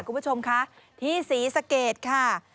คุณผู้ชมคะที่ศรีสะเกดค่ะ